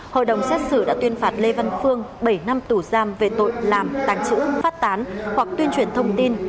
hội đồng xét xử đã tuyên phạt lê văn phương bảy năm tù giam về tội làm tàng trữ phát tán hoặc tuyên truyền thông tin